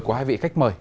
của hai vị khách mời